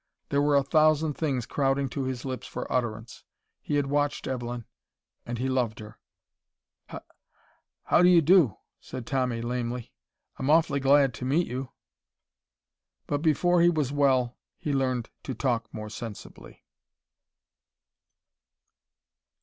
There were a thousand things crowding to his lips for utterance. He had watched Evelyn, and he loved her "H how do you do?" said Tommy, lamely. "I'm awfully glad to meet you." But before he was well he learned to talk more sensibly.